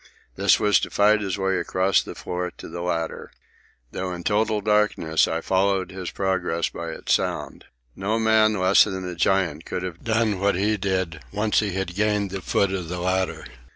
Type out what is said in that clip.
This was to fight his way across the floor to the ladder. Though in total darkness, I followed his progress by its sound. No man less than a giant could have done what he did, once he had gained the foot of the ladder.